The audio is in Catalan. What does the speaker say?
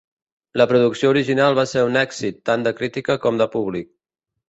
La producció original va ser un èxit tant de crítica com de públic.